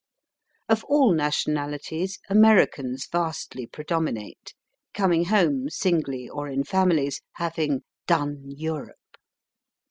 Of all nationalities, Americans vastly pre dominate, coming home singly or in families, having ^* done Europe."